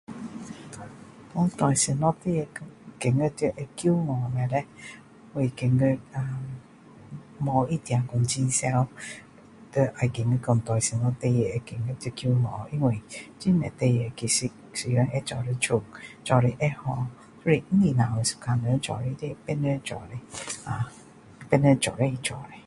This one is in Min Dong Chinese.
有什么会让我骄傲我觉得不一定说很常对什么事情会觉得骄傲因为很多事情其实会做的出来做的会好就是不是我一个人做的也是有别人做的呃别人一起做的